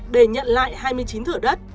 để nhận lại hai mươi chín thửa đất